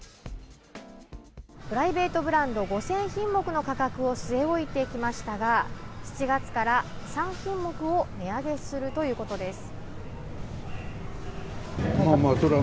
プライベートブランド５０００品目の価格を据え置いてきましたが７月から３品目を値上げするということです。